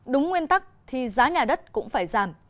đúng nguyên tắc thì giá nhà đất cũng phải giảm